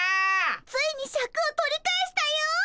ついにシャクを取り返したよ！